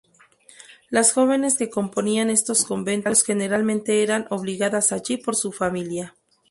Las jóvenes que componían estos conventos generalmente eran obligadas allí por su familia.